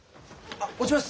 あっ持ちます！